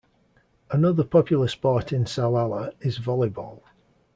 Another popular sport in Salalah is volleyball.